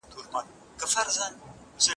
که میندې پوهې وي نو حفظ الصحه به نه خرابیږي.